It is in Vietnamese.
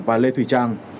và lê thủy trang